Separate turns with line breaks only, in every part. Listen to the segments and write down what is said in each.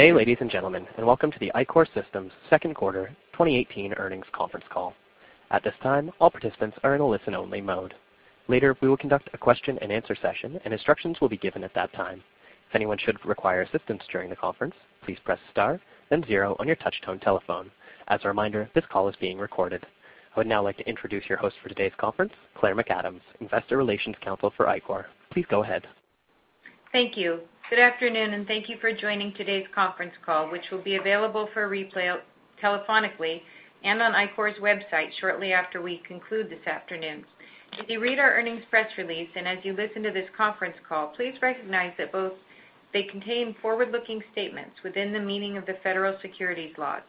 Good day, ladies and gentlemen, and welcome to the Ichor Systems second quarter 2018 earnings conference call. At this time, all participants are in a listen-only mode. Later, we will conduct a question and answer session, and instructions will be given at that time. If anyone should require assistance during the conference, please press star then zero on your touch-tone telephone. As a reminder, this call is being recorded. I would now like to introduce your host for today's conference, Claire McAdams, investor relations counsel for Ichor. Please go ahead.
Thank you. Good afternoon. Thank you for joining today's conference call, which will be available for replay telephonically and on Ichor's website shortly after we conclude this afternoon. If you read our earnings press release, and as you listen to this conference call, please recognize that both they contain forward-looking statements within the meaning of the federal securities laws.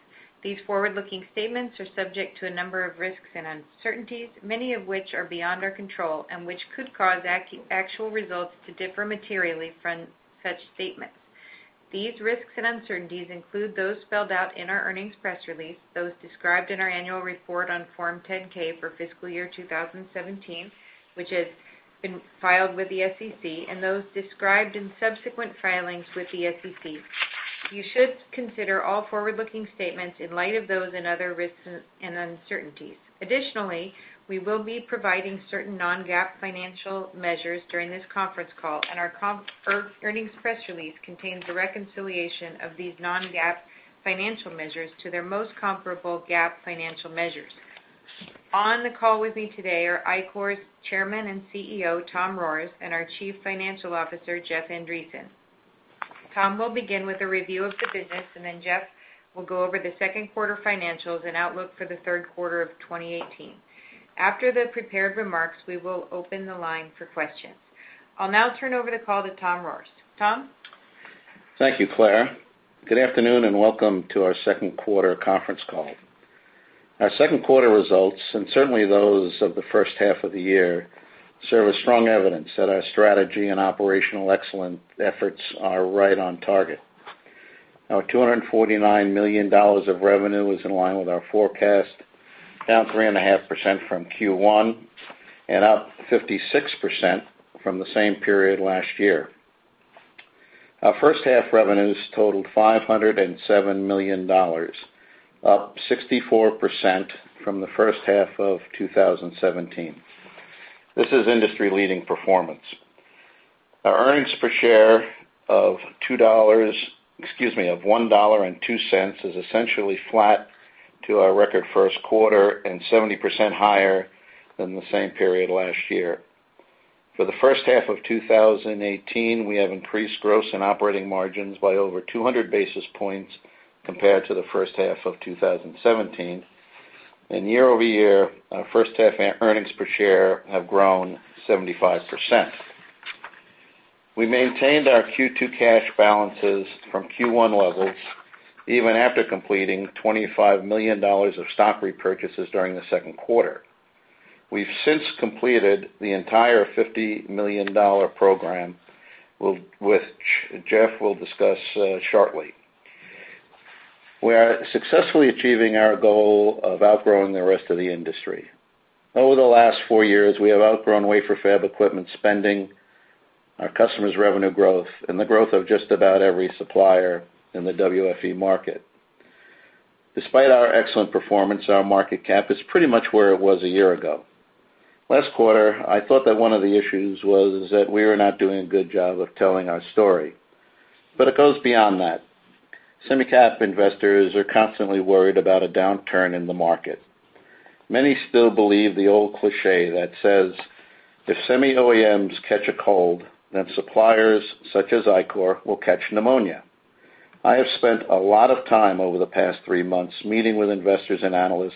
These forward-looking statements are subject to a number of risks and uncertainties, many of which are beyond our control, and which could cause actual results to differ materially from such statements. These risks and uncertainties include those spelled out in our earnings press release, those described in our annual report on Form 10-K for fiscal year 2017, which has been filed with the SEC, and those described in subsequent filings with the SEC. You should consider all forward-looking statements in light of those and other risks and uncertainties. Additionally, we will be providing certain non-GAAP financial measures during this conference call, and our earnings press release contains a reconciliation of these non-GAAP financial measures to their most comparable GAAP financial measures. On the call with me today are Ichor's Chairman and CEO, Tom Rohrs, and our Chief Financial Officer, Jeff Andreson. Tom will begin with a review of the business. Jeff will go over the second quarter financials and outlook for the third quarter of 2018. After the prepared remarks, we will open the line for questions. I'll now turn over the call to Tom Rohrs. Tom?
Thank you, Claire. Good afternoon. Welcome to our second quarter conference call. Our second quarter results, and certainly those of the first half of the year, serve as strong evidence that our strategy and operational excellence efforts are right on target. Our $249 million of revenue is in line with our forecast, down 3.5% from Q1 and up 56% from the same period last year. Our first half revenues totaled $507 million, up 64% from the first half of 2017. This is industry-leading performance. Our earnings per share of $1.02 is essentially flat to our record first quarter and 70% higher than the same period last year. For the first half of 2018, we have increased gross and operating margins by over 200 basis points compared to the first half of 2017. Year-over-year, our first half earnings per share have grown 75%. We maintained our Q2 cash balances from Q1 levels even after completing $25 million of stock repurchases during the second quarter. We've since completed the entire $50 million program, which Jeff will discuss shortly. We are successfully achieving our goal of outgrowing the rest of the industry. Over the last four years, we have outgrown wafer fab equipment spending, our customers' revenue growth, and the growth of just about every supplier in the WFE market. Despite our excellent performance, our market cap is pretty much where it was a year ago. Last quarter, I thought that one of the issues was that we were not doing a good job of telling our story, but it goes beyond that. SemiCap investors are constantly worried about a downturn in the market. Many still believe the old cliché that says if semi OEMs catch a cold, then suppliers such as Ichor will catch pneumonia. I have spent a lot of time over the past three months meeting with investors and analysts,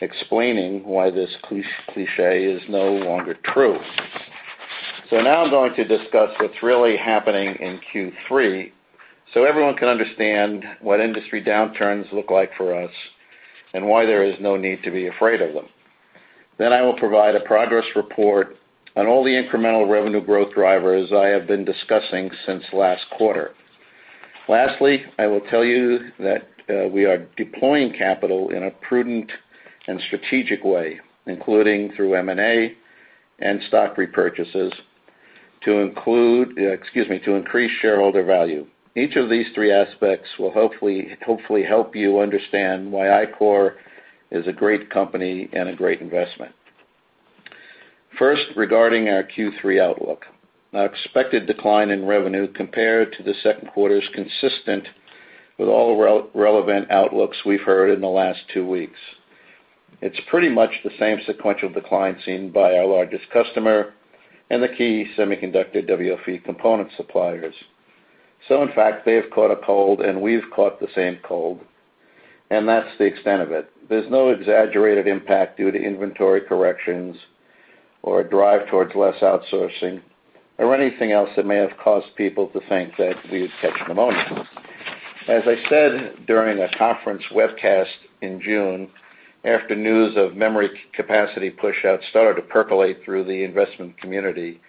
explaining why this cliché is no longer true. Now I'm going to discuss what's really happening in Q3 so everyone can understand what industry downturns look like for us and why there is no need to be afraid of them. I will provide a progress report on all the incremental revenue growth drivers I have been discussing since last quarter. Lastly, I will tell you that we are deploying capital in a prudent and strategic way, including through M&A and stock repurchases to increase shareholder value. Each of these three aspects will hopefully help you understand why Ichor is a great company and a great investment. First, regarding our Q3 outlook. Our expected decline in revenue compared to the second quarter is consistent with all relevant outlooks we've heard in the last two weeks. It's pretty much the same sequential decline seen by our largest customer and the key semiconductor WFE component suppliers. In fact, they have caught a cold and we've caught the same cold, and that's the extent of it. There's no exaggerated impact due to inventory corrections or a drive towards less outsourcing or anything else that may have caused people to think that we would catch pneumonia. As I said during a conference webcast in June after news of memory capacity pushouts started to percolate through the investment community,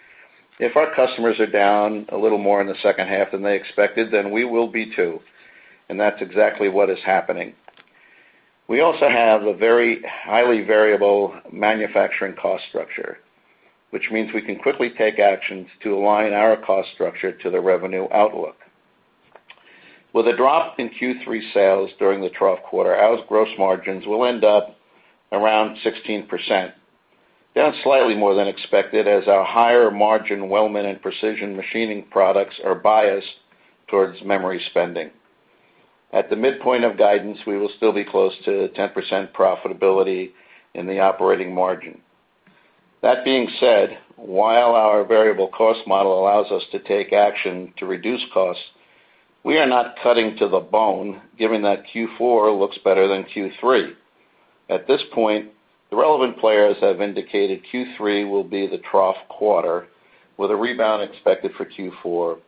if our customers are down a little more in the second half than they expected, we will be, too, and that's exactly what is happening. We also have a very highly variable manufacturing cost structure, which means we can quickly take actions to align our cost structure to the revenue outlook. With a drop in Q3 sales during the trough quarter, our gross margins will end up around 16%, down slightly more than expected as our higher margin weldment and precision machining products are biased towards memory spending. At the midpoint of guidance, we will still be close to 10% profitability in the operating margin. That being said, while our variable cost model allows us to take action to reduce costs, we are not cutting to the bone, given that Q4 looks better than Q3. At this point, the relevant players have indicated Q3 will be the trough quarter, with a rebound expected for Q4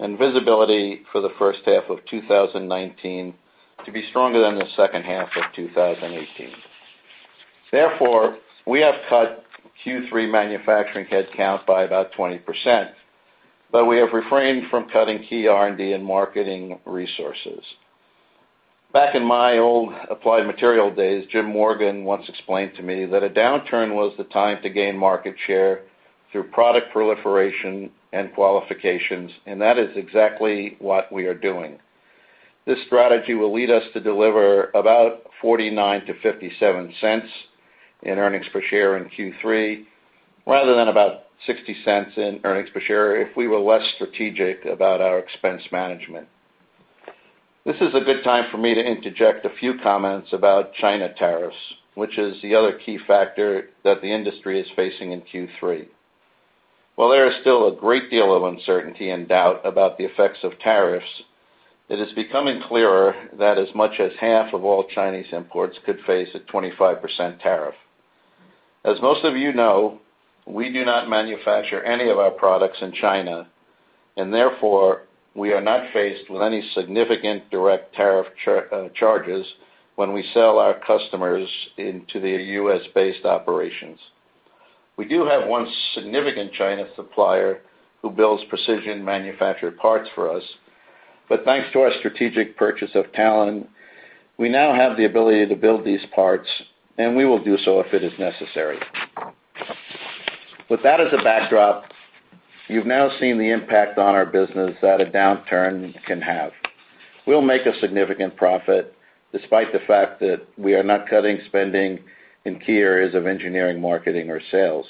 and visibility for the first half of 2019 to be stronger than the second half of 2018. Therefore, we have cut Q3 manufacturing headcount by about 20%, but we have refrained from cutting key R&D and marketing resources. Back in my old Applied Materials days, Jim Morgan once explained to me that a downturn was the time to gain market share through product proliferation and qualifications, and that is exactly what we are doing. This strategy will lead us to deliver about $0.49-$0.57 in earnings per share in Q3, rather than about $0.60 in earnings per share if we were less strategic about our expense management. This is a good time for me to interject a few comments about China tariffs, which is the other key factor that the industry is facing in Q3. While there is still a great deal of uncertainty and doubt about the effects of tariffs, it is becoming clearer that as much as half of all Chinese imports could face a 25% tariff. As most of you know, we do not manufacture any of our products in China, and therefore, we are not faced with any significant direct tariff charges when we sell our customers into their U.S.-based operations. We do have one significant China supplier who builds precision manufactured parts for us, but thanks to our strategic purchase of Talon, we now have the ability to build these parts, and we will do so if it is necessary. With that as a backdrop, you have now seen the impact on our business that a downturn can have. We will make a significant profit, despite the fact that we are not cutting spending in key areas of engineering, marketing, or sales.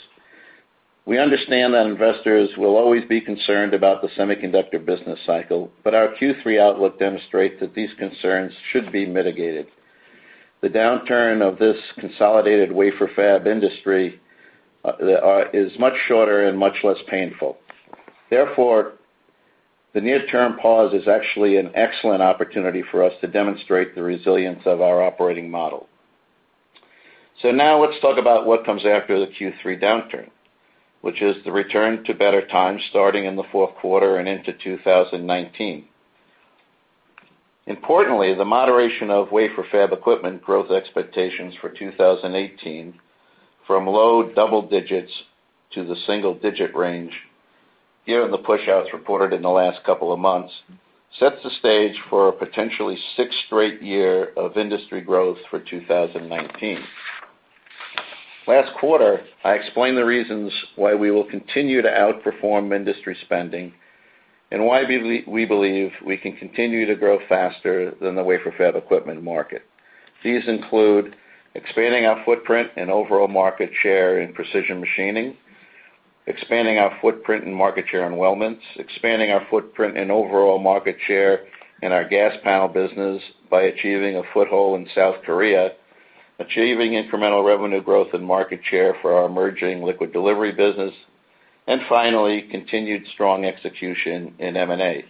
We understand that investors will always be concerned about the semiconductor business cycle, but our Q3 outlook demonstrates that these concerns should be mitigated. The downturn of this consolidated wafer fab industry is much shorter and much less painful. Therefore, the near-term pause is actually an excellent opportunity for us to demonstrate the resilience of our operating model. Now let's talk about what comes after the Q3 downturn, which is the return to better times starting in the fourth quarter and into 2019. Importantly, the moderation of wafer fab equipment growth expectations for 2018 from low double digits to the single digit range, given the pushouts reported in the last couple of months, sets the stage for a potentially sixth straight year of industry growth for 2019. Last quarter, I explained the reasons why we will continue to outperform industry spending and why we believe we can continue to grow faster than the wafer fab equipment market. These include expanding our footprint and overall market share in precision machining, expanding our footprint and market share in weldments, expanding our footprint and overall market share in our gas panel business by achieving a foothold in South Korea, achieving incremental revenue growth and market share for our emerging liquid delivery business, and finally, continued strong execution in M&A.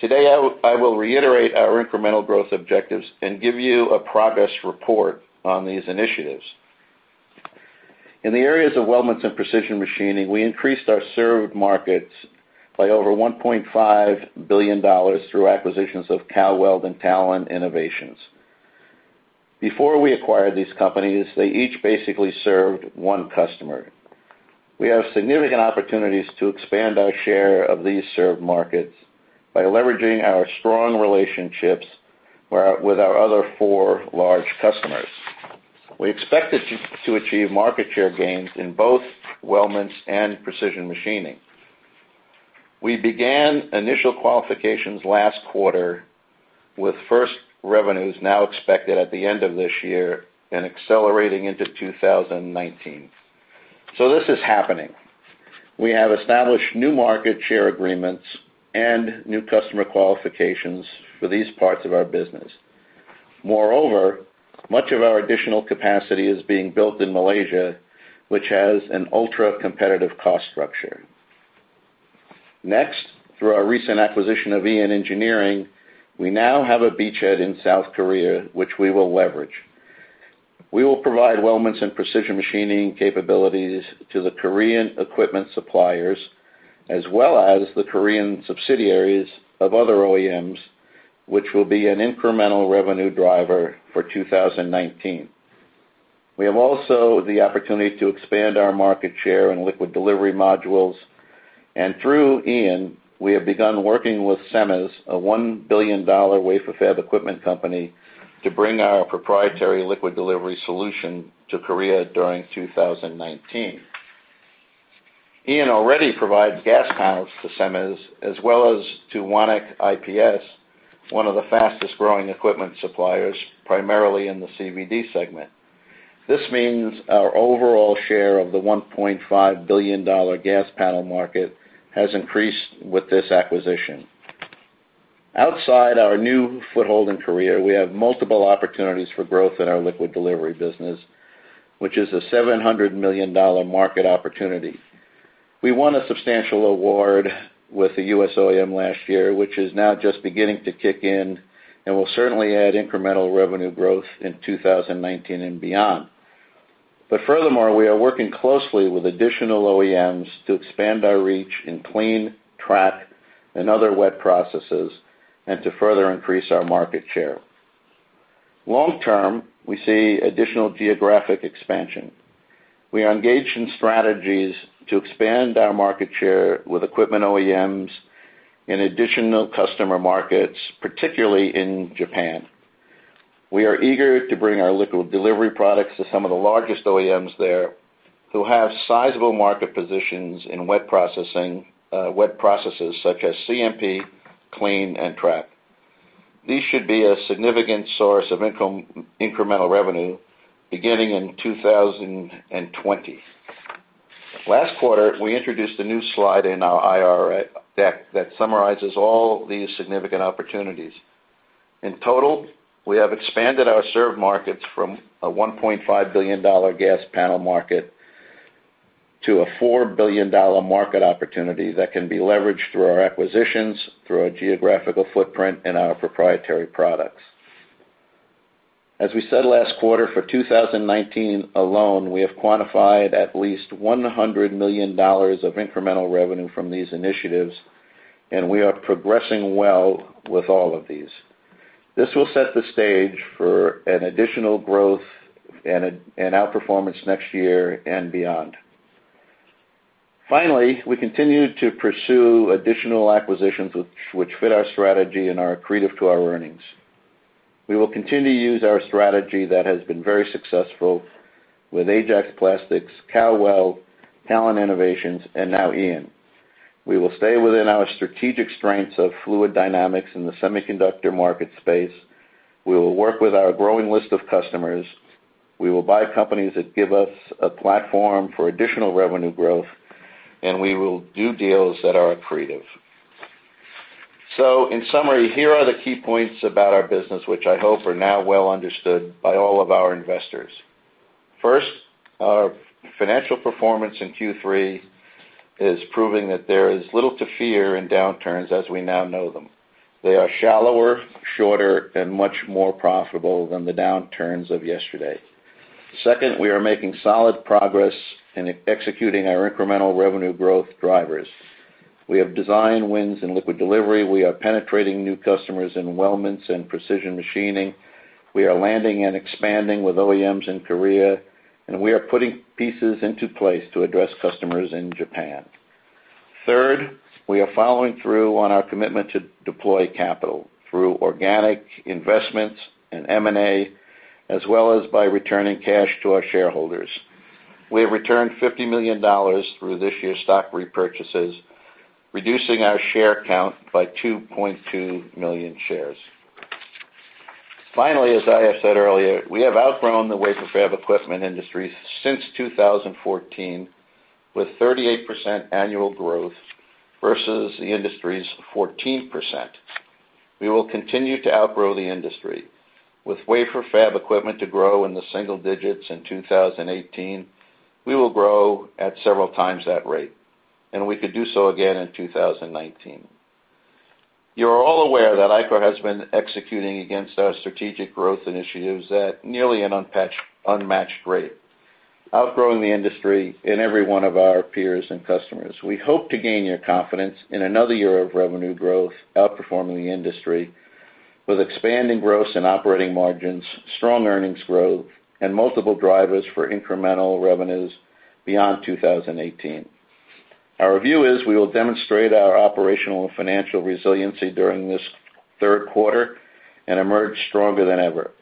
Today, I will reiterate our incremental growth objectives and give you a progress report on these initiatives. In the areas of weldments and precision machining, we increased our served markets by over $1.5 billion through acquisitions of Cal-Weld and Talon Innovations. Before we acquired these companies, they each basically served one customer. We have significant opportunities to expand our share of these served markets by leveraging our strong relationships with our other four large customers. We expect to achieve market share gains in both weldments and precision machining. We began initial qualifications last quarter with first revenues now expected at the end of this year and accelerating into 2019. This is happening. We have established new market share agreements and new customer qualifications for these parts of our business. Moreover, much of our additional capacity is being built in Malaysia, which has an ultra-competitive cost structure. Next, through our recent acquisition of IAN Engineering, we now have a beachhead in South Korea, which we will leverage. We will provide weldments and precision machining capabilities to the Korean equipment suppliers, as well as the Korean subsidiaries of other OEMs, which will be an incremental revenue driver for 2019. We have also the opportunity to expand our market share in liquid delivery modules. Through IAN, we have begun working with SEMES, a $1 billion wafer fab equipment company, to bring our proprietary liquid delivery solution to Korea during 2019. IAN already provides gas panels to SEMES, as well as to Wonik IPS, one of the fastest-growing equipment suppliers, primarily in the CVD segment. This means our overall share of the $1.5 billion gas panel market has increased with this acquisition. Outside our new foothold in Korea, we have multiple opportunities for growth in our liquid delivery business, which is a $700 million market opportunity. We won a substantial award with the U.S. OEM last year, which is now just beginning to kick in and will certainly add incremental revenue growth in 2019 and beyond. Furthermore, we are working closely with additional OEMs to expand our reach in clean, track, and other wet processes, and to further increase our market share. Long term, we see additional geographic expansion. We are engaged in strategies to expand our market share with equipment OEMs in additional customer markets, particularly in Japan. We are eager to bring our liquid delivery products to some of the largest OEMs there, who have sizable market positions in wet processes such as CMP, clean, and track. These should be a significant source of incremental revenue beginning in 2020. Last quarter, we introduced a new slide in our IR deck that summarizes all these significant opportunities. In total, we have expanded our served markets from a $1.5 billion gas panel market to a $4 billion market opportunity that can be leveraged through our acquisitions, through our geographical footprint, and our proprietary products. As we said last quarter, for 2019 alone, we have quantified at least $100 million of incremental revenue from these initiatives, and we are progressing well with all of these. This will set the stage for an additional growth and outperformance next year and beyond. Finally, we continue to pursue additional acquisitions which fit our strategy and are accretive to our earnings. We will continue to use our strategy that has been very successful with Ajax Custom Manufacturing, Cal-Weld, Talon Innovations, and now IAN. We will stay within our strategic strengths of fluid delivery in the semiconductor market space. We will work with our growing list of customers. We will buy companies that give us a platform for additional revenue growth, and we will do deals that are accretive. In summary, here are the key points about our business, which I hope are now well understood by all of our investors. First, our financial performance in Q3 is proving that there is little to fear in downturns as we now know them. They are shallower, shorter, and much more profitable than the downturns of yesterday. Second, we are making solid progress in executing our incremental revenue growth drivers. We have design wins in liquid delivery. We are penetrating new customers in weldments and precision machining. We are landing and expanding with OEMs in Korea, and we are putting pieces into place to address customers in Japan. Third, we are following through on our commitment to deploy capital through organic investments and M&A, as well as by returning cash to our shareholders. We have returned $50 million through this year's stock repurchases, reducing our share count by 2.2 million shares. As I have said earlier, we have outgrown the wafer fab equipment industry since 2014, with 38% annual growth versus the industry's 14%. We will continue to outgrow the industry. With wafer fab equipment to grow in the single digits in 2018, we will grow at several times that rate, and we could do so again in 2019. You are all aware that Ichor has been executing against our strategic growth initiatives at nearly an unmatched rate, outgrowing the industry and every one of our peers and customers. We hope to gain your confidence in another year of revenue growth, outperforming the industry with expanding gross and operating margins, strong earnings growth, and multiple drivers for incremental revenues beyond 2018. Our view is we will demonstrate our operational and financial resiliency during this third quarter and emerge stronger than ever.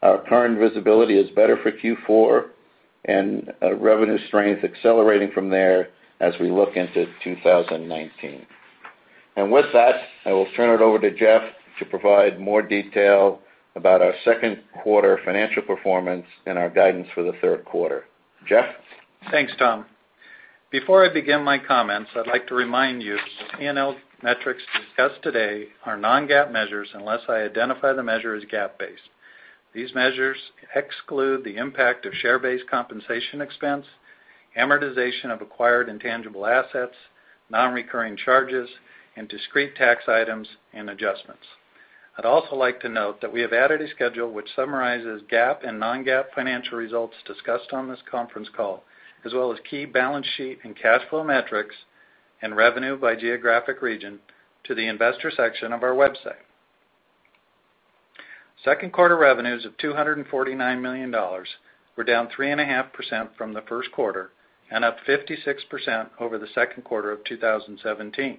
Our current visibility is better for Q4 and revenue strength accelerating from there as we look into 2019. With that, I will turn it over to Jeff to provide more detail about our second quarter financial performance and our guidance for the third quarter. Jeff?
Thanks, Tom. Before I begin my comments, I'd like to remind you that P&L metrics discussed today are non-GAAP measures unless I identify the measure as GAAP-based. These measures exclude the impact of share-based compensation expense, amortization of acquired intangible assets, non-recurring charges, and discrete tax items and adjustments. I'd also like to note that we have added a schedule which summarizes GAAP and non-GAAP financial results discussed on this conference call, as well as key balance sheet and cash flow metrics and revenue by geographic region to the investor section of our website. Second quarter revenues of $249 million were down 3.5% from the first quarter and up 56% over the second quarter of 2017.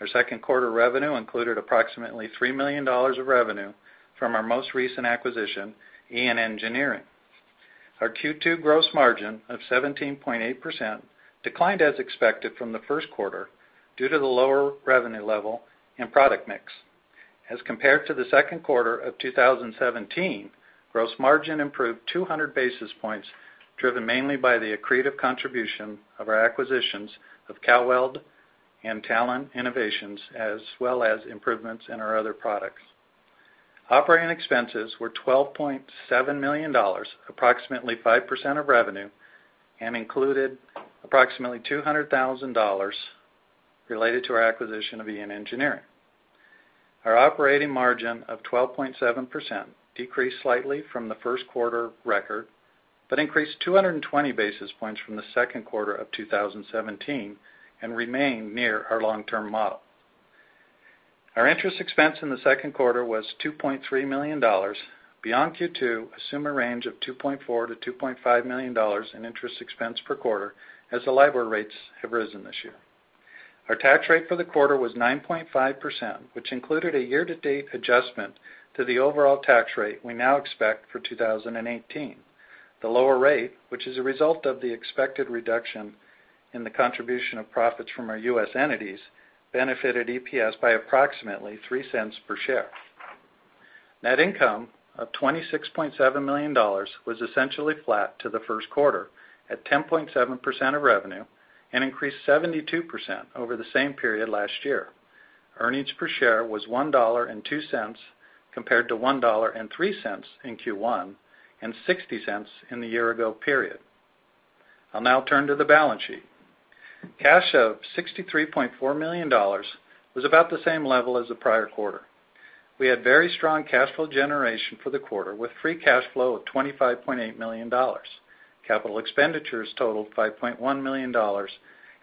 Our second quarter revenue included approximately $3 million of revenue from our most recent acquisition, IAN Engineering. Our Q2 gross margin of 17.8% declined as expected from the first quarter due to the lower revenue level and product mix. As compared to the second quarter of 2017, gross margin improved 200 basis points, driven mainly by the accretive contribution of our acquisitions of Cal-Weld and Talon Innovations, as well as improvements in our other products. Operating expenses were $12.7 million, approximately 5% of revenue, and included approximately $200,000 related to our acquisition of IAN Engineering. Our operating margin of 12.7% decreased slightly from the first quarter record, but increased 220 basis points from the second quarter of 2017 and remained near our long-term model. Our interest expense in the second quarter was $2.3 million. Beyond Q2, assume a range of $2.4 million-$2.5 million in interest expense per quarter, as the LIBOR rates have risen this year. Our tax rate for the quarter was 9.5%, which included a year-to-date adjustment to the overall tax rate we now expect for 2018. The lower rate, which is a result of the expected reduction in the contribution of profits from our U.S. entities, benefited EPS by approximately $0.03 per share. Net income of $26.7 million was essentially flat to the first quarter, at 10.7% of revenue, and increased 72% over the same period last year. Earnings per share was $1.02 compared to $1.03 in Q1, and $0.60 in the year-ago period. I'll now turn to the balance sheet. Cash of $63.4 million was about the same level as the prior quarter. We had very strong cash flow generation for the quarter, with free cash flow of $25.8 million. Capital expenditures totaled $5.1 million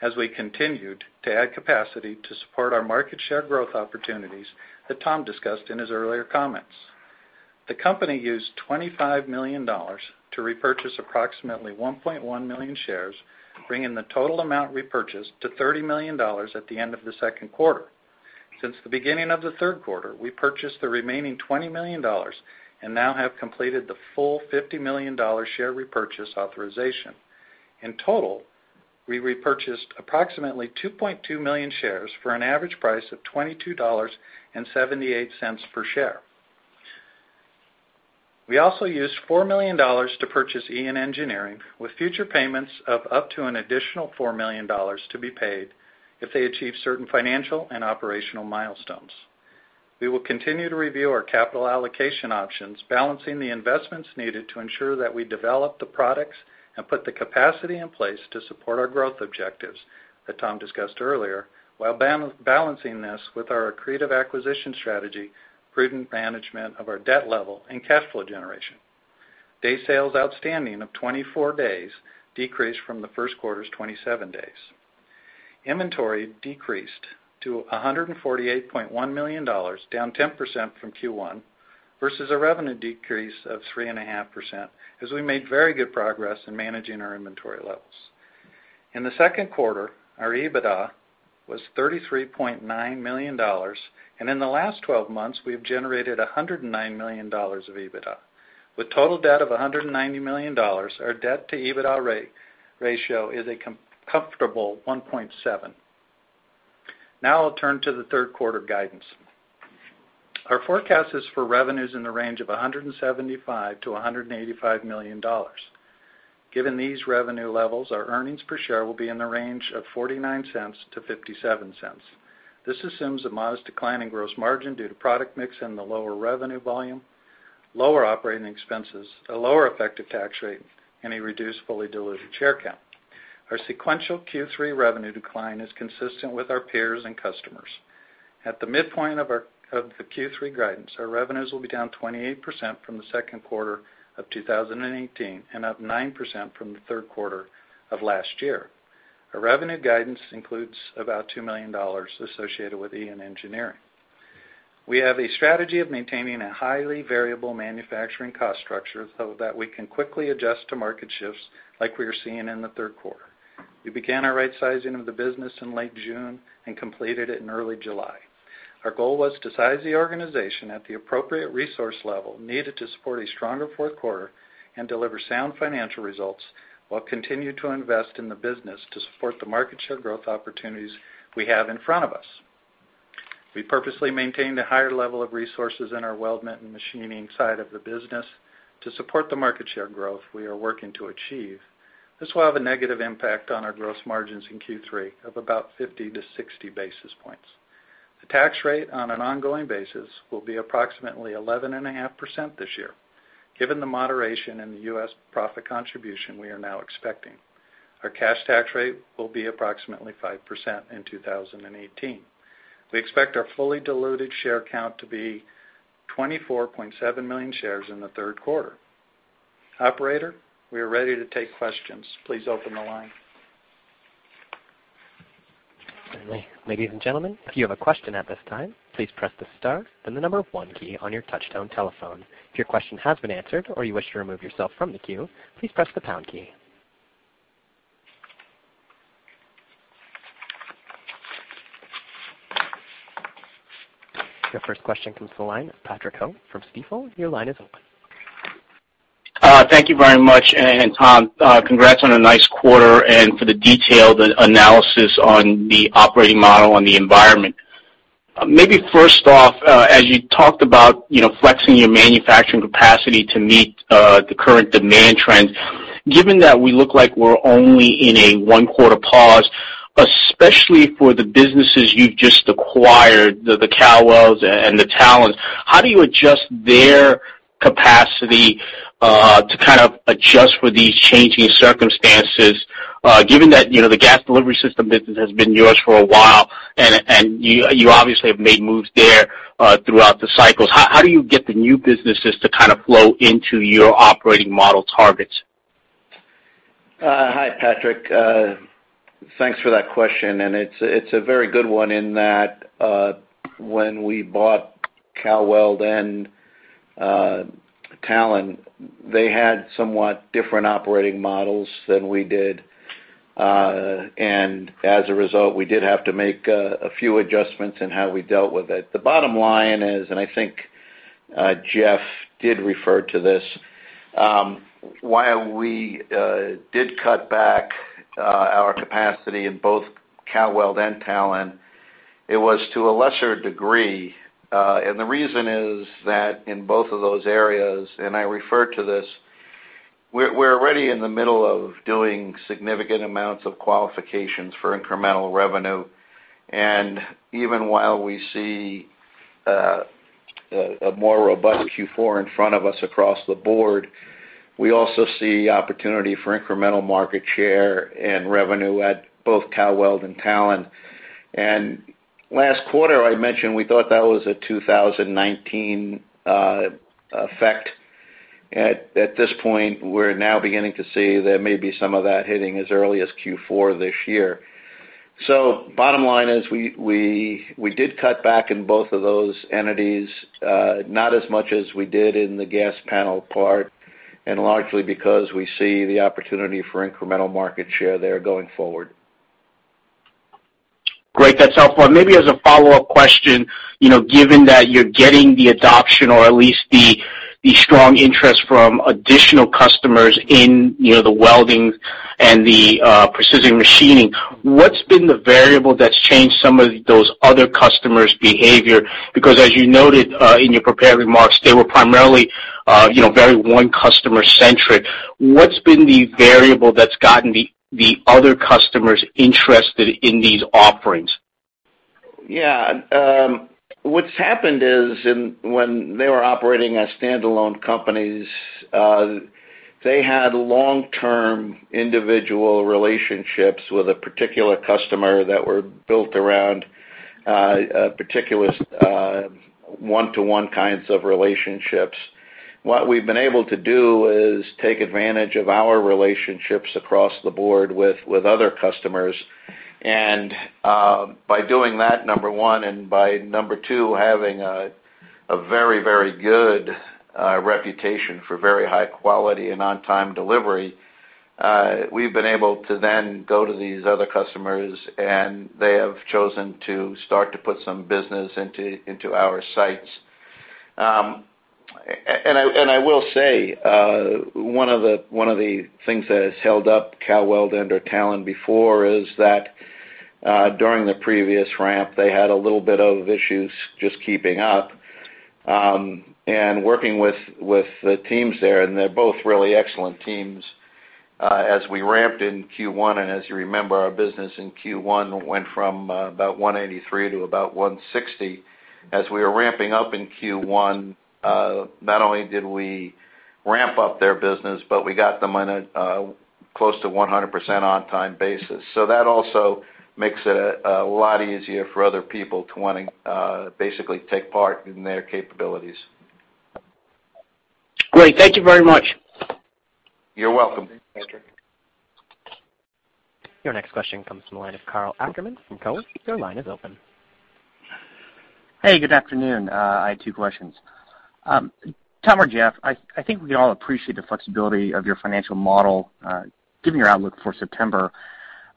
as we continued to add capacity to support our market share growth opportunities that Tom discussed in his earlier comments. The company used $25 million to repurchase approximately 1.1 million shares, bringing the total amount repurchased to $30 million at the end of the second quarter. Since the beginning of the third quarter, we purchased the remaining $20 million and now have completed the full $50 million share repurchase authorization. In total, we repurchased approximately 2.2 million shares for an average price of $22.78 per share. We also used $4 million to purchase IAN Engineering, with future payments of up to an additional $4 million to be paid if they achieve certain financial and operational milestones. We will continue to review our capital allocation options, balancing the investments needed to ensure that we develop the products and put the capacity in place to support our growth objectives that Tom discussed earlier, while balancing this with our accretive acquisition strategy, prudent management of our debt level and cash flow generation. Day sales outstanding of 24 days decreased from the first quarter's 27 days. Inventory decreased to $148.1 million, down 10% from Q1, versus a revenue decrease of 3.5% as we made very good progress in managing our inventory levels. In the second quarter, our EBITDA was $33.9 million, and in the last 12 months, we have generated $109 million of EBITDA. With total debt of $190 million, our debt to EBITDA ratio is a comfortable 1.7. Our forecast is for revenues in the range of $175 million-$185 million. Given these revenue levels, our earnings per share will be in the range of $0.49-$0.57. This assumes a modest decline in gross margin due to product mix and the lower revenue volume, lower operating expenses, a lower effective tax rate, and a reduced fully diluted share count. Our sequential Q3 revenue decline is consistent with our peers and customers. At the midpoint of the Q3 guidance, our revenues will be down 28% from the second quarter of 2018 and up 9% from the third quarter of last year. Our revenue guidance includes about $2 million associated with IAN Engineering. We have a strategy of maintaining a highly variable manufacturing cost structure so that we can quickly adjust to market shifts like we are seeing in the third quarter. We began our rightsizing of the business in late June and completed it in early July. Our goal was to size the organization at the appropriate resource level needed to support a stronger fourth quarter and deliver sound financial results, while continuing to invest in the business to support the market share growth opportunities we have in front of us. We purposely maintained a higher level of resources in our weldment and machining side of the business to support the market share growth we are working to achieve. This will have a negative impact on our gross margins in Q3 of about 50-60 basis points. The tax rate on an ongoing basis will be approximately 11.5% this year, given the moderation in the U.S. profit contribution we are now expecting. Our cash tax rate will be approximately 5% in 2018. We expect our fully diluted share count to be 24.7 million shares in the third quarter. Operator, we are ready to take questions. Please open the line.
Finally. Ladies and gentlemen, if you have a question at this time, please press the star, then the number one key on your touchtone telephone. If your question has been answered or you wish to remove yourself from the queue, please press the pound key. Your first question comes to the line, Patrick Ho from Stifel. Your line is open.
Thank you very much. Tom, congrats on a nice quarter and for the detailed analysis on the operating model on the environment. Maybe first off, as you talked about flexing your manufacturing capacity to meet, the current demand trends, given that we look like we're only in a one-quarter pause, especially for the businesses you've just acquired, the Cal-Weld and the Talon, how do you adjust their capacity to kind of adjust for these changing circumstances, given that the gas delivery system business has been yours for a while, and you obviously have made moves there, throughout the cycles. How do you get the new businesses to kind of flow into your operating model targets?
Hi, Patrick. Thanks for that question, it's a very good one in that, when we bought Cal-Weld and, Talon, they had somewhat different operating models than we did. As a result, we did have to make a few adjustments in how we dealt with it. The bottom line is, and I think Jeff did refer to this, while we did cut back our capacity in both Cal-Weld and Talon, it was to a lesser degree. The reason is that in both of those areas, and I refer to this, we're already in the middle of doing significant amounts of qualifications for incremental revenue. Even while we see a more robust Q4 in front of us across the board, we also see opportunity for incremental market share and revenue at both Cal-Weld and Talon. Last quarter, I mentioned we thought that was a 2019 effect. At this point, we're now beginning to see there may be some of that hitting as early as Q4 this year. Bottom line is, we did cut back in both of those entities, not as much as we did in the gas panel part, largely because we see the opportunity for incremental market share there going forward.
Great. That's helpful. Maybe as a follow-up question, given that you're getting the adoption or at least the strong interest from additional customers in the weldments and the precision machining, what's been the variable that's changed some of those other customers' behavior? Because as you noted, in your prepared remarks, they were primarily very one customer centric. What's been the variable that's gotten the other customers interested in these offerings?
Yeah. What's happened is when they were operating as standalone companies, they had long-term individual relationships with a particular customer that were built around a particular one-to-one kinds of relationships. What we've been able to do is take advantage of our relationships across the board with other customers. By doing that, number one, and by number two, having a very good reputation for very high quality and on-time delivery, we've been able to then go to these other customers, and they have chosen to start to put some business into our sites. I will say, one of the things that has held up Cal-Weld under Talon before is that, during the previous ramp, they had a little bit of issues just keeping up, and working with the teams there, and they're both really excellent teams. As we ramped in Q1, as you remember, our business in Q1 went from about $183 million to about $160 million. As we were ramping up in Q1, not only did we ramp up their business, but we got them on a close to 100% on-time basis. That also makes it a lot easier for other people to want to basically take part in their capabilities.
Great. Thank you very much.
You're welcome.
Thank you.
Your next question comes from the line of Karl Ackerman from Cowen. Your line is open.
Hey, good afternoon. I had two questions. Tom or Jeff, I think we all appreciate the flexibility of your financial model, given your outlook for September.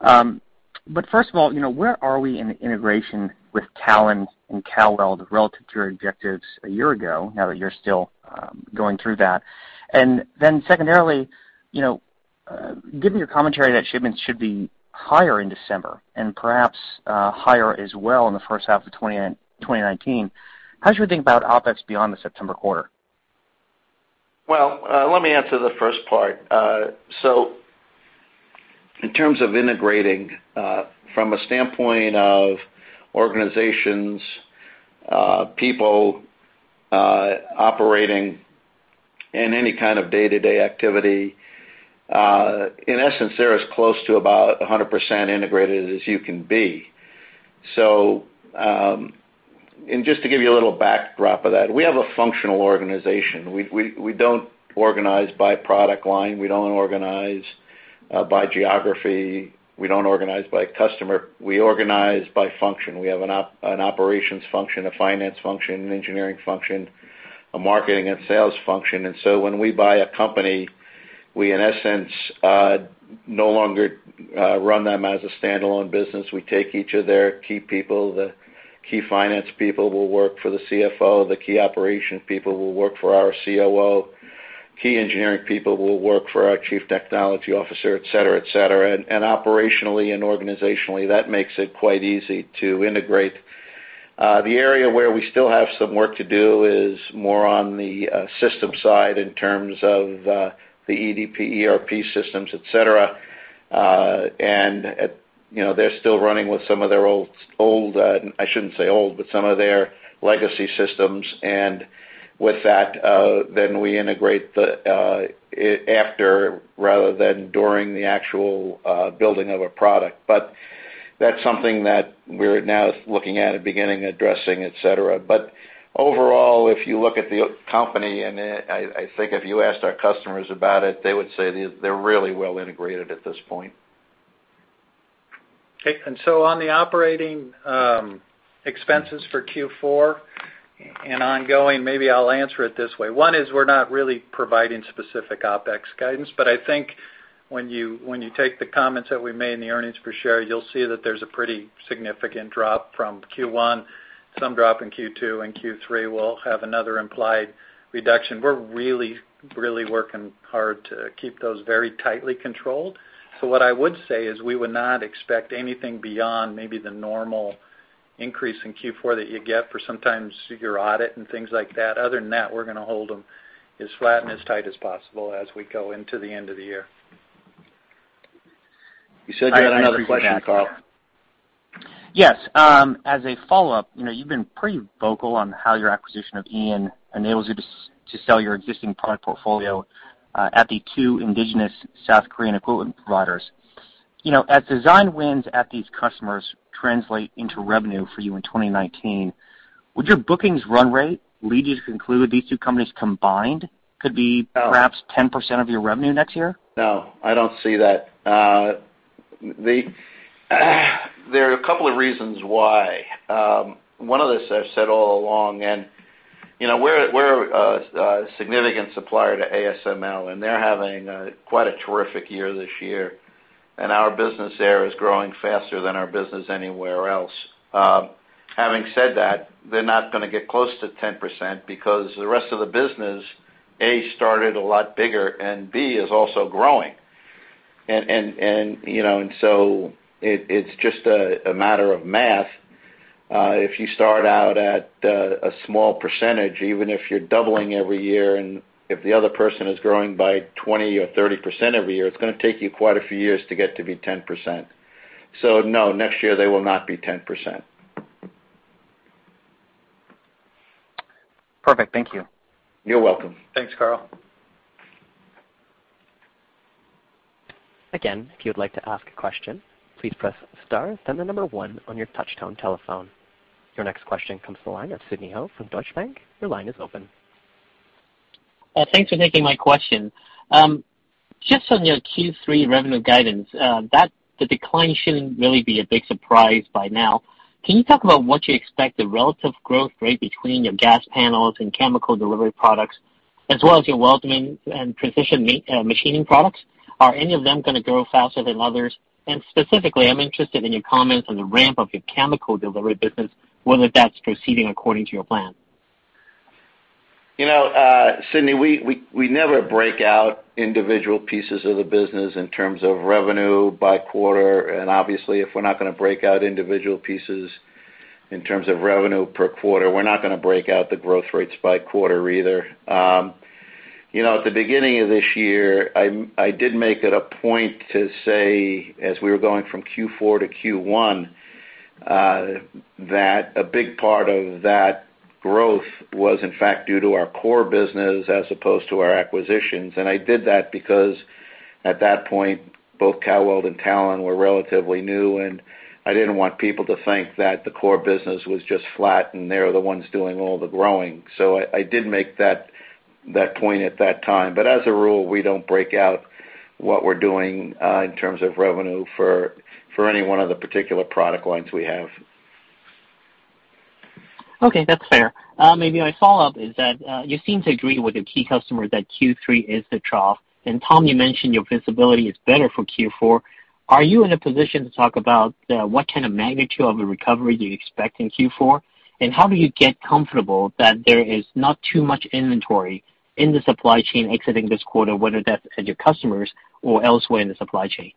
First of all, where are we in the integration with Talon and Cal-Weld relative to your objectives a year ago, now that you're still going through that? Secondarily, given your commentary that shipments should be higher in December and perhaps higher as well in the first half of 2019, how should we think about OpEx beyond the September quarter?
Let me answer the first part. In terms of integrating, from a standpoint of organizations, people, operating in any kind of day-to-day activity. In essence, they're as close to about 100% integrated as you can be. Just to give you a little backdrop of that, we have a functional organization. We don't organize by product line, we don't organize by geography, we don't organize by customer. We organize by function. We have an operations function, a finance function, an engineering function, a marketing and sales function. When we buy a company, we, in essence, no longer run them as a standalone business. We take each of their key people, the key finance people will work for the CFO, the key operation people will work for our COO, key engineering people will work for our Chief Technology Officer, et cetera. Operationally and organizationally, that makes it quite easy to integrate. The area where we still have some work to do is more on the systems side in terms of the EDP, ERP systems, et cetera. They're still running with some of their old, I shouldn't say old, but some of their legacy systems. With that, we integrate it after rather than during the actual building of a product. That's something that we're now looking at and beginning addressing, et cetera. Overall, if you look at the company, and I think if you asked our customers about it, they would say they're really well integrated at this point.
Okay, on the operating expenses for Q4 and ongoing, maybe I'll answer it this way. One is we're not really providing specific OPEX guidance, but I think when you take the comments that we made in the earnings per share, you'll see that there's a pretty significant drop from Q1, some drop in Q2, and Q3 will have another implied reduction. We're really working hard to keep those very tightly controlled. What I would say is we would not expect anything beyond maybe the normal increase in Q4 that you get for sometimes your audit and things like that. Other than that, we're going to hold them as flat and as tight as possible as we go into the end of the year.
You said you had another question, Karl.
Yes. As a follow-up, you've been pretty vocal on how your acquisition of IAN Engineering enables you to sell your existing product portfolio at the two indigenous South Korean equivalent providers. As design wins at these customers translate into revenue for you in 2019, would your bookings run rate lead you to conclude these two companies combined could be perhaps 10% of your revenue next year?
No, I don't see that. There are a couple of reasons why. One of this I've said all along, we're a significant supplier to ASML, they're having quite a terrific year this year. Our business there is growing faster than our business anywhere else. Having said that, they're not going to get close to 10% because the rest of the business, A, started a lot bigger, B, is also growing. It's just a matter of math. If you start out at a small percentage, even if you're doubling every year, if the other person is growing by 20% or 30% every year, it's going to take you quite a few years to get to be 10%. No, next year they will not be 10%.
Perfect. Thank you.
You're welcome.
Thanks, Karl.
If you would like to ask a question, please press star, then the number 1 on your touch-tone telephone. Your next question comes to the line of Sidney Ho from Deutsche Bank. Your line is open.
Thanks for taking my question. Just on your Q3 revenue guidance, the decline shouldn't really be a big surprise by now. Can you talk about what you expect the relative growth rate between your gas panels and chemical delivery products, as well as your welding and precision machining products? Are any of them going to grow faster than others? Specifically, I'm interested in your comments on the ramp of your chemical delivery business, whether that's proceeding according to your plan.
Sidney, we never break out individual pieces of the business in terms of revenue by quarter. Obviously, if we're not going to break out individual pieces in terms of revenue per quarter, we're not going to break out the growth rates by quarter either. At the beginning of this year, I did make it a point to say, as we were going from Q4 to Q1, that a big part of that growth was in fact due to our core business as opposed to our acquisitions. I did that because at that point, both Cal-Weld and Talon were relatively new, and I didn't want people to think that the core business was just flat and they're the ones doing all the growing. I did make that point at that time. As a rule, we don't break out what we're doing in terms of revenue for any one of the particular product lines we have.
Okay, that's fair. Maybe my follow-up is that you seem to agree with your key customer that Q3 is the trough. Tom, you mentioned your visibility is better for Q4. Are you in a position to talk about what kind of magnitude of a recovery you expect in Q4? How do you get comfortable that there is not too much inventory in the supply chain exiting this quarter, whether that's at your customers or elsewhere in the supply chain?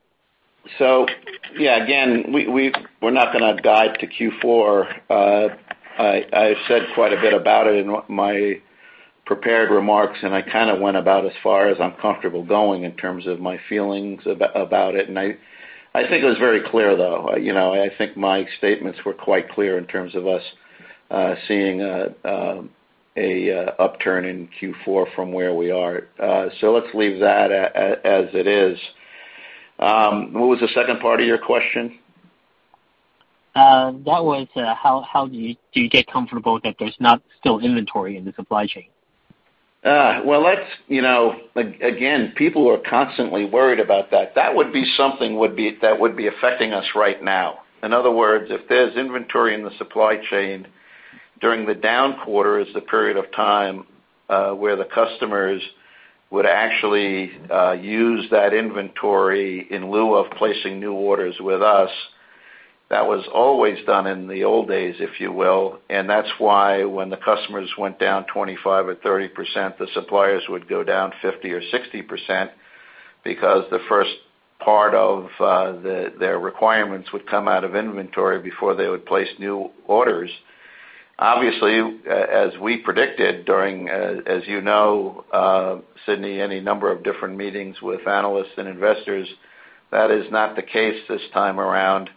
Yeah, again, we're not going to guide to Q4. I said quite a bit about it in my prepared remarks, I kind of went about as far as I'm comfortable going in terms of my feelings about it. I think it was very clear, though. I think my statements were quite clear in terms of us seeing an upturn in Q4 from where we are. Let's leave that as it is. What was the second part of your question?
That was how do you get comfortable that there's not still inventory in the supply chain?
People are constantly worried about that. That would be something that would be affecting us right now. In other words, if there's inventory in the supply chain during the down quarters, the period of time where the customers would actually use that inventory in lieu of placing new orders with us, that was always done in the old days, if you will. That's why when the customers went down 25% or 30%, the suppliers would go down 50% or 60%, because the first part of their requirements would come out of inventory before they would place new orders. Obviously, as we predicted during, as you know, Sidney, any number of different meetings with analysts and investors, that is not the case this time around.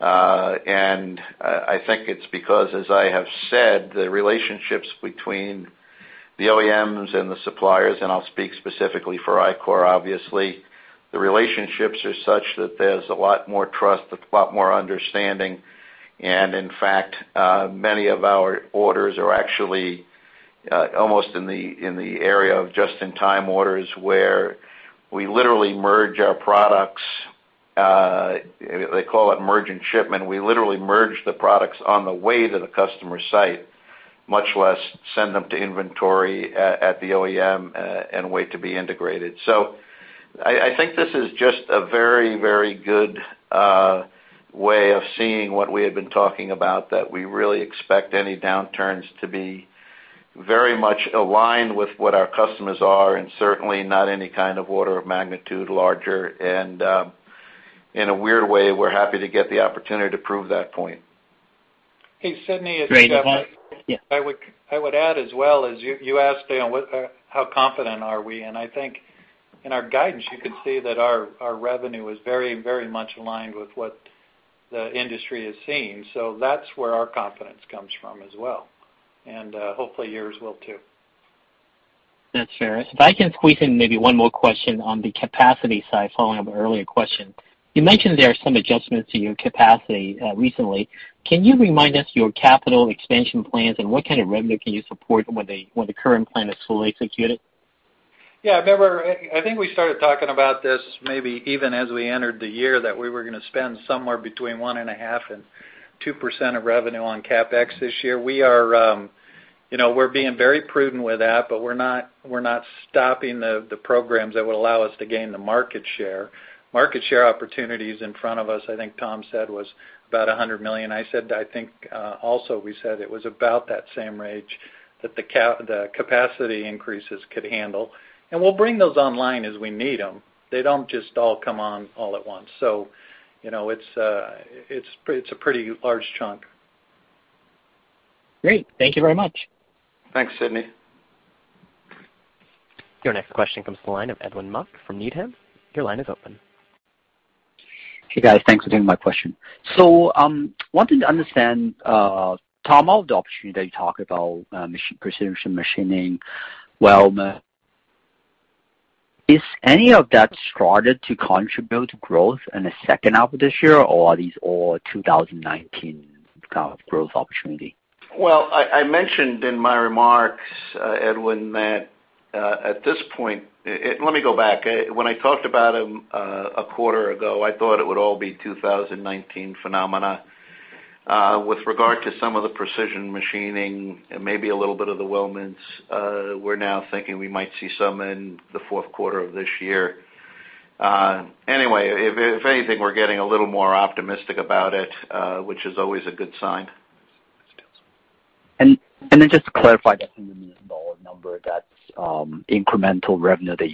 I think it's because, as I have said, the relationships between the OEMs and the suppliers, and I'll speak specifically for Ichor obviously, the relationships are such that there's a lot more trust, a lot more understanding. In fact, many of our orders are actually almost in the area of just-in-time orders, where we literally merge our products, they call it merge and shipment. We literally merge the products on the way to the customer site, much less send them to inventory at the OEM and wait to be integrated. I think this is just a very good way of seeing what we had been talking about, that we really expect any downturns to be very much aligned with what our customers are and certainly not any kind of order of magnitude larger. In a weird way, we're happy to get the opportunity to prove that point.
Great. Yeah.
I would add as well, as you asked, how confident are we? I think in our guidance, you could see that our revenue is very much aligned with what the industry is seeing. That's where our confidence comes from as well. Hopefully yours will too.
That's fair. If I can squeeze in maybe one more question on the capacity side, following up an earlier question. You mentioned there are some adjustments to your capacity recently. Can you remind us your capital expansion plans and what kind of revenue can you support when the current plan is fully executed?
I remember, I think we started talking about this maybe even as we entered the year, that we were going to spend somewhere between 1.5% and 2% of revenue on CapEx this year. We're being very prudent with that, but we're not stopping the programs that would allow us to gain the market share. Market share opportunities in front of us, I think Tom said, was about $100 million. I think also we said it was about that same range that the capacity increases could handle. We'll bring those online as we need them. They don't just all come on all at once. It's a pretty large chunk.
Great. Thank you very much.
Thanks, Sidney.
Your next question comes to the line of Edwin Mok from Needham. Your line is open.
Hey, guys. Thanks for taking my question. Wanting to understand, Tom, all the opportunities you talk about precision machining, weldment. Is any of that started to contribute to growth in the second half of this year or are these all 2019 kind of growth opportunity?
I mentioned in my remarks, Edwin, that at this point Let me go back. When I talked about them a quarter ago, I thought it would all be 2019 phenomena. With regard to some of the precision machining and maybe a little bit of the weldments, we're now thinking we might see some in the fourth quarter of this year. Anyway, if anything, we're getting a little more optimistic about it, which is always a good sign.
Just to clarify that incremental number, that incremental revenue that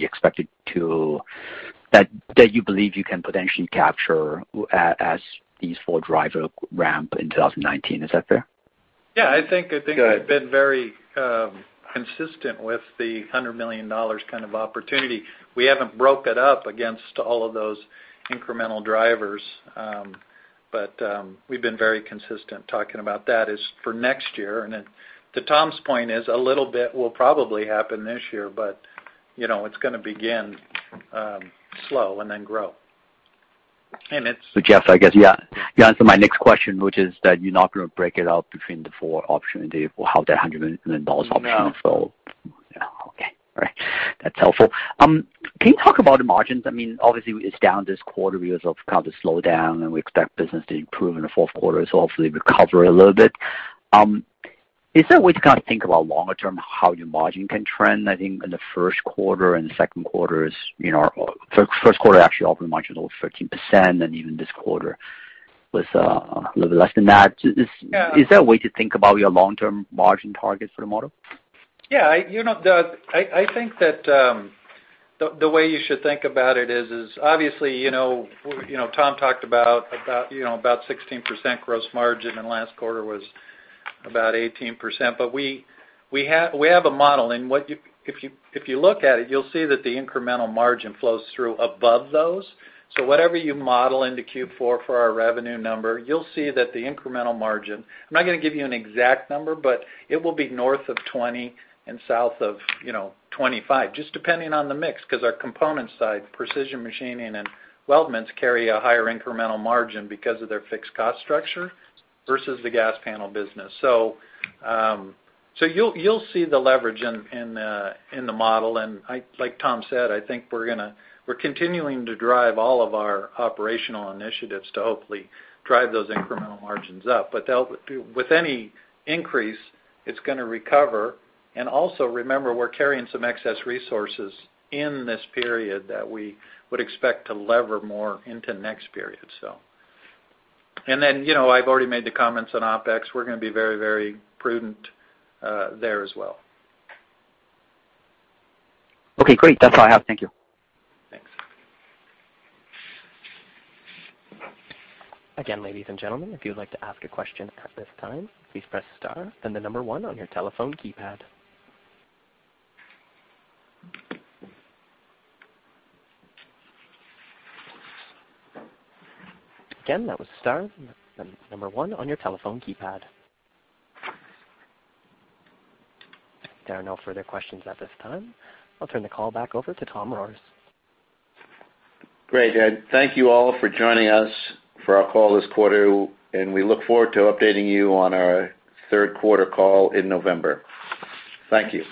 you believe you can potentially capture as these four drivers ramp in 2019. Is that fair?
I think I've been very consistent with the $100 million kind of opportunity. We haven't broke it up against all of those incremental drivers. We've been very consistent talking about that is for next year. To Tom's point is a little bit will probably happen this year, but it's going to begin slow and then grow.
Jeff, I guess you answered my next question, which is that you're not going to break it out between the four opportunities.
No.
Okay. All right. That's helpful. Can you talk about the margins? Obviously it's down this quarter because of kind of the slowdown, and we expect business to improve in the fourth quarter, so hopefully recover a little bit. Is there a way to kind of think about longer term how your margin can trend? I think in the first quarter and second quarter is, first quarter actually operating margin of 13% and even this quarter was a little bit less than that.
Yeah.
Is there a way to think about your long-term margin targets for the model?
Yeah. I think that the way you should think about it is, obviously, Tom talked about 16% gross margin and last quarter was about 18%. We have a model, and if you look at it, you'll see that the incremental margin flows through above those. Whatever you model into Q4 for our revenue number, you'll see that the incremental margin, I'm not going to give you an exact number, but it will be north of 20% and south of 25%, just depending on the mix, because our component side, precision machining and weldments carry a higher incremental margin because of their fixed cost structure versus the gas panel business. You'll see the leverage in the model, and like Tom said, I think we're continuing to drive all of our operational initiatives to hopefully drive those incremental margins up. With any increase, it's going to recover. Also remember, we're carrying some excess resources in this period that we would expect to lever more into next period. I've already made the comments on OpEx. We're going to be very prudent there as well.
Okay, great. That's all I have. Thank you.
Thanks.
Again, ladies and gentlemen, if you would like to ask a question at this time, please press star, then the number one on your telephone keypad. Again, that was star then number one on your telephone keypad. There are no further questions at this time. I'll turn the call back over to Tom Rohrs.
Great. Ed, thank you all for joining us for our call this quarter. We look forward to updating you on our third quarter call in November. Thank you.